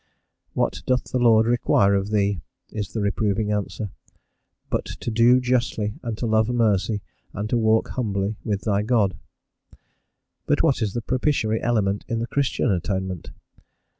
"What doth the Lord require of thee," is the reproving answer, "but to do justly and to love mercy, and to walk humbly with thy God?" But what is the propitiatory element in the Christian Atonement?